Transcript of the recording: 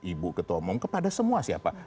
ibu ketua umum kepada semua siapa